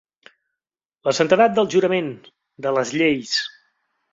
La santedat del jurament, de les lleis.